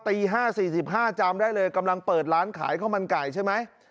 ตี๕๔๕จำได้เลยกำลังเปิดร้านขายข้าวมันไก่ใช่ไหม